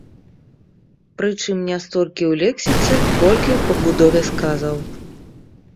Прычым не столькі ў лексіцы, колькі ў пабудове сказаў.